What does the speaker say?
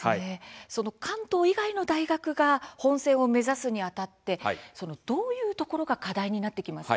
関東以外の大学が本選を目指すにあたってどういうところが課題になってきますか。